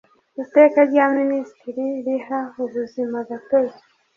Iteka rya Minisitiri riha ubuzimagatozi